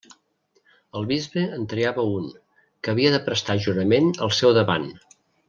El bisbe en triava un, que havia de prestar jurament al seu davant.